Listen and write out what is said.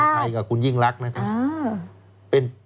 เป็นใครกับคุณยิ่งรักนะครับ